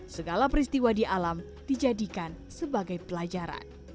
segala peristiwa di alam dijadikan sebagai pelajaran